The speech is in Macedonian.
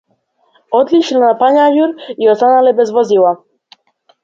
Отишле на панаѓур и останале без возила